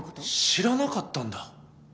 知らなかったんだ。